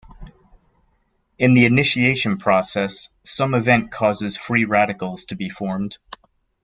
In the initiation process, some event causes free radicals to be formed.